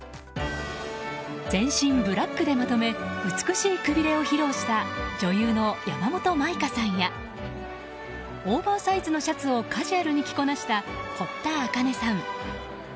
全身ブラックでまとめ美しいくびれを披露した女優の山本舞香さんやオーバーサイズのシャツをカジュアルに着こなした堀田茜さん。